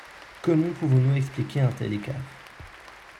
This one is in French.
Comment pouvons-nous expliquer un tel écart?